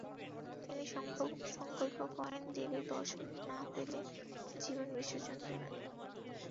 তিনি সংকল্প করেন দেবীর দর্শন না পেলে জীবন বিসর্জন দেবেন।